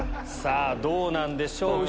どうなんでしょうか？